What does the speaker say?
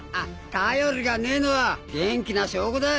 便りがねえのは元気な証拠だ。